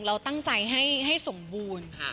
เราตั้งใจให้สมบูรณ์ค่ะ